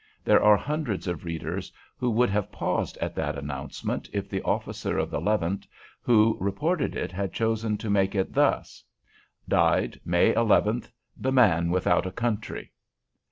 There are hundreds of readers who would have paused at that announcement, if the officer of the "Levant" who reported it had chosen to make it thus: "Died, May 11, THE MAN WITHOUT A COUNTRY."